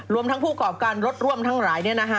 ทั้งผู้กรอบการรถร่วมทั้งหลาย